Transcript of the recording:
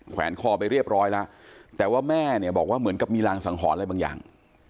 แวนคอไปเรียบร้อยแล้วแต่ว่าแม่เนี่ยบอกว่าเหมือนกับมีรางสังหรณ์อะไรบางอย่าง